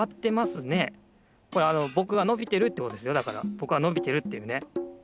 ぼくがのびてるっていうね。